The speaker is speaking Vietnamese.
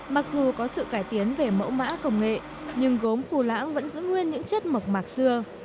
mặc dù có sự cải tiến về mẫu mã công nghệ nhưng gốm phù lãng vẫn giữ nguyên những chất mộc mạc xưa